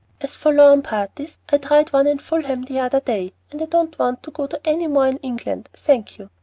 As for lawn parties, I tried one in Fulham the other day, and I don't want to go to any more in England, thank you.